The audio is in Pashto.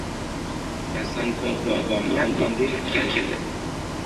افغانستان په بامیان باندې تکیه لري.